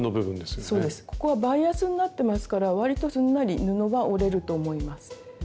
ここはバイアスになってますからわりとすんなり布は折れると思います。